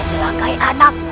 aku tidak akan menangkapmu